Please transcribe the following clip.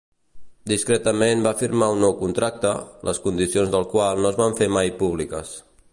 Discretament va firmar un nou contracte, les condicions del qual no es van fer mai públiques.